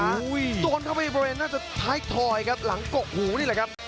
โอ้โหโดนเข้าไปบริเวณหน้าท้ายถอยครับหลังกกหูนี่แหละครับ